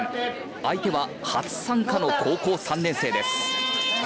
相手は初参加の高校３年生です。